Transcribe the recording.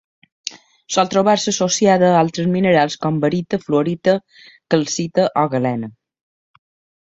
Sol trobar-se associada a altres minerals com: barita, fluorita, calcita o galena.